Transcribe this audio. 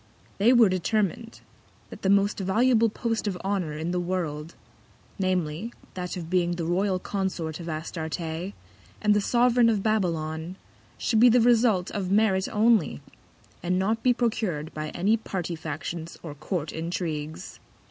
They were determin'd, that the most valuable Post of Honour in the World, namely, that of being the Royal Consort of Astarte, and the Sovereign of Babylon, should be the Result of Merit only; and not be procur'd by any Party Factions or Court Intrigues.